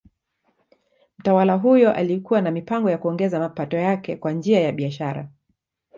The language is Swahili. Mtawala huyo alikuwa na mipango ya kuongeza mapato yake kwa njia ya biashara.